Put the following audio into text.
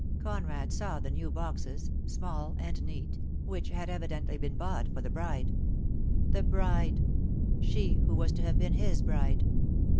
Conrad saw the new boxes, small and neat, 284 DEAD LOVE HAS CHAINS. which had evidently been bought for the bride. The bride! She who was to have been his bride.